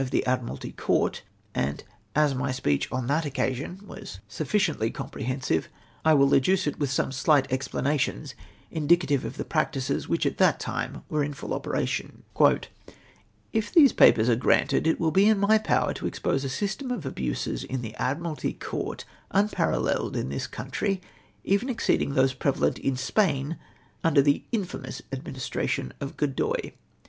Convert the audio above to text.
" Even at the present day this is amusing. K 3 134 EFFECT OF THE SYSTEM. heiisive, I will adduce it with some slight explanations indicative of the practices which at that time were in full operation :—" If these papers are granted it will be in my power to expose a system of abuses in the Admiralty Court uni^a raileled in this country, even exceeding those prevalent in Spain under the infamous administration of Grodoy.